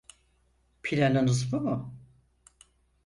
Planınız bu mu?